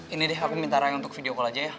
ini deh aku minta untuk video call aja ya